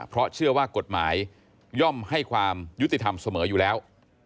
เพราะเชื่อว่ากฎหมายย่อมให้ความยุติธรรมเสมออยู่แล้ว